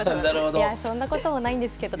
いやそんなこともないんですけど。